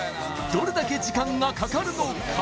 どれだけ時間がかかるのか？